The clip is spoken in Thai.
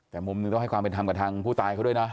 แต่มุมหนึ่งต้องให้ความเป็นธรรมกับทางผู้ตายเขาด้วยนะ